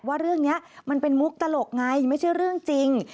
ว่าเรื่องนี้มันเป็นมุกตลกไงไม่ใช่เรื่องจริง